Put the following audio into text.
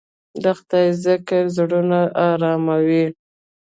د خدای ذکر زړونه اراموي.